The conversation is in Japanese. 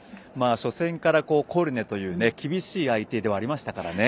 初戦からコルネという厳しい相手ではありましたからね。